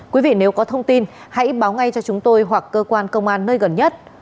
quý vị nếu có thông tin hãy báo ngay cho chúng tôi hoặc cơ quan công an nơi gần nhất